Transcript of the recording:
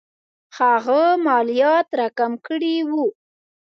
هغه مالیات را کم کړي وو.